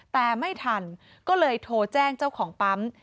แต่ไม่ทันก็เลยโทรแจ้งเจ้าของปั๊ม